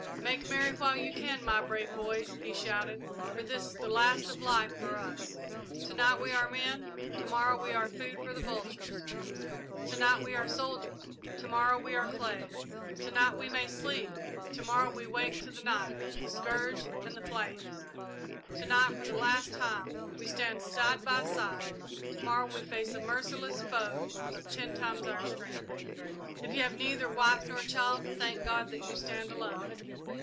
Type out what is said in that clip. "Make merry while you can, my brave boys," he shouted, "for this is the last of life for us! To night we are men to morrow we are food for the vultures! To night we are soldiers to morrow we are clay! To night we may sleep to morrow we wake to the knife, the scourge, and the flames! To night, for the last time, we stand side by side to morrow we fight a merciless foe of ten times our strength! "If you have neither wife nor child, thank God that you stand alone.